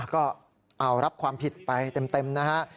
ก็ับความผิดไปเต็มนะครับ